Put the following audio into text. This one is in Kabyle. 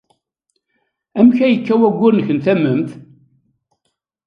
Amek ay yekka wayyur-nnek n tamemt?